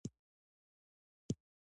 خلکو له خوا منل کېږي.